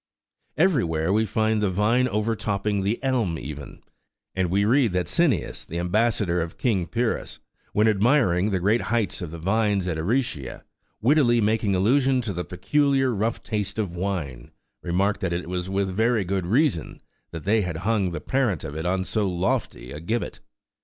14 Everywhere we find the vine overtopping the elm even, and we read that Cineas,14* the ambassador of King Pyrrhus, when admiring the great height of the vines at Aricia, wittily making allusion to the peculiar rough taste of wine, remarked that it was with very good reason that they had hung the parent of it on so lofty a gibbet.